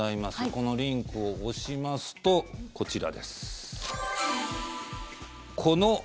このリンクを押しますとこちらです。